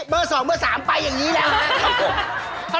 เบอร์๒เบอร์๓ไปอย่างนี้แล้วครับผม